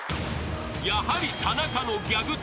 ［やはり田中のギャグ頼り］